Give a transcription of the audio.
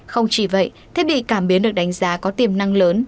không chỉ vậy thiết bị cảm biến được đánh giá có tiềm năng lớn